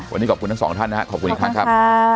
วันนี้ขอบคุณทั้งสองท่านนะครับ